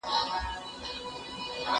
چي قلا د یوه ورور یې آبادیږي